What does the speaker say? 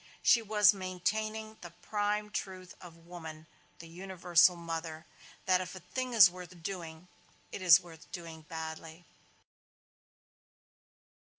She was maintaining the prime truth of woman, the universal mother: that if a thing is worth doing, it is worth doing badly.